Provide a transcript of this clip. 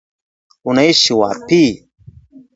"Unaishi wapi?"